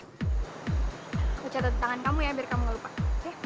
aku catat tangan kamu ya biar kamu gak lupa oke